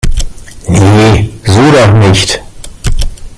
Nee, so doch nicht!